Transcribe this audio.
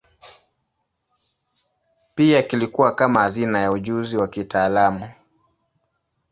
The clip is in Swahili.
Pia kilikuwa kama hazina ya ujuzi wa kitaalamu.